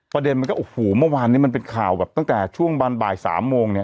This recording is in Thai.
ประเด็นมันก็โอ้โหเมื่อวานบาทเป็นข่าวตั้งแต่ช่วงบานบ่าย๓โมงเนี่ย